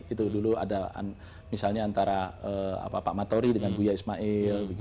itu dulu ada misalnya antara pak matori dengan buya ismail